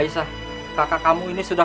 aisah kakak kamu ini sudah